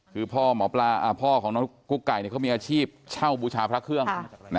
คือพ่อของน้องกุ๊กไก่เขามีอาชีพเช่าบูชาพระเครื่อง